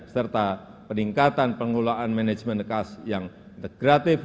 serta peningkatan pengelolaan manajemen bekas yang integratif